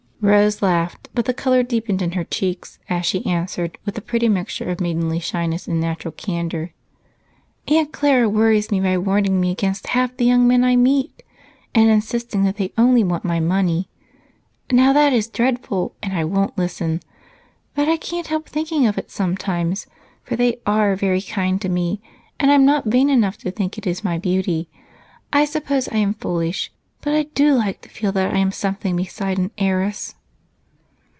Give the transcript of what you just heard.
Rose laughed, but the color deepened in her cheeks as she answered with a pretty mixture of maidenly shyness and natural candor. "Aunt Clara worries me by warning me against half the young men I meet and insisting that they want only my money. Now that is dreadful, and I won't listen, but I can't help thinking of it sometimes, for they are very kind to me and I'm not vain enough to think it is my beauty. I suppose I am foolish, but I do like to feel that I am something besides an heiress."